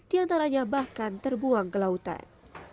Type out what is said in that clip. di antaranya bahkan terbuang ke lautan